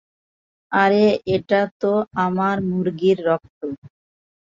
আরে এটা তো আমার মুরগির রক্ত।